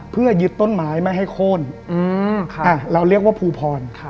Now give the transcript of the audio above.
เพื่อยึดต้นไม้ไม่ให้โค้นเราเรียกว่าภูพร